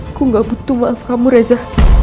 aku gak butuh maaf kamu reza